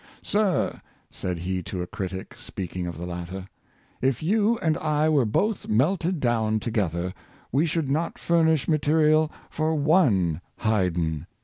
^' Sir," said he to a critic, speak ing of the latter, " if you and I were both melted down tosrether, we should not furnish materials for one Haydn."